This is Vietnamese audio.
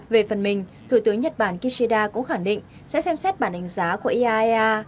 về phần mình thủ tướng nhật bản kishida cũng khẳng định sẽ xem xét bản đánh giá của iaea